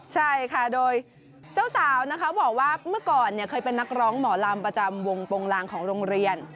ใช่ค่ะโดยเจ้าสาวนะคะบอกว่าเมื่อก่อนเคยเป็นนักร้องหมอลำประจำวงโปรงลางของโรงเรียน